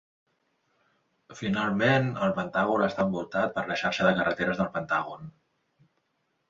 Finalment, El Pentàgon està envoltat per la xarxa de carreteres del Pentàgon.